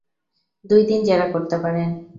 দুই দিন জেরা করতে পারেন।